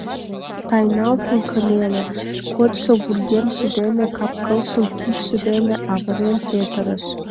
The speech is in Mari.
Тайналтын кынеле, кодшо вургемже дене кап-кылжым кидше дене авырен петырыш.